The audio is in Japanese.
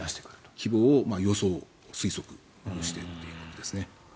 規模を予想・推測しているということです。